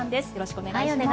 お願いします。